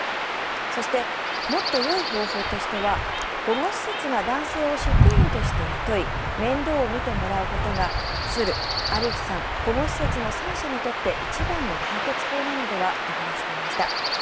そして、もっとよい方法としては保護施設が男性を職員として雇い面倒を見てもらうことが鶴、アリフさん、保護施設の三者にとって一番の解決法なのではと話していました。